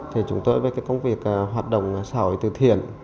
thì chúng tôi với cái công việc hoạt động xã hội từ thiện